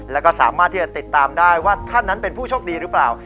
แล้วก็สามารถที่จะติดตามได้ว่าท่านนั้นเป็นผู้โชคดีหรือเปล่า